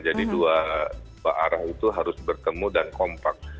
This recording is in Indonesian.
jadi dua arah itu harus bertemu dan kompak